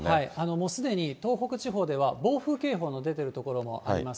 もうすでに東北地方では暴風警報が出ている所もあります。